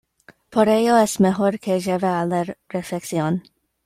Por ello es mejor que lleve a la reflexión.